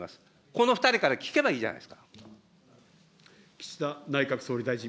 この２人から聞けばいいじゃないですか。